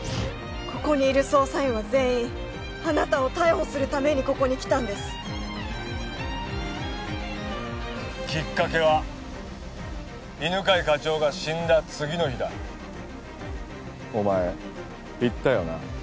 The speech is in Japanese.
ここにいる捜査員は全員あなたを逮捕するためにここに来たんですきっかけは犬飼課長が死んだ次の日だお前言ったよな